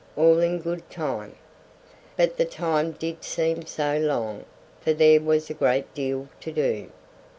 All in good time." But the time did seem so long, for there was a great deal to do.